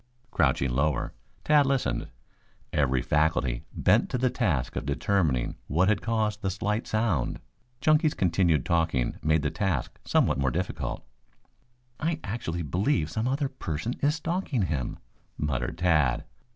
Crouching lower, Tad listened, every faculty bent to the task of determining what had caused the slight sound. Chunky's continued talking made the task somewhat more difficult. "I actually believe some other person is stalking him," muttered Tad.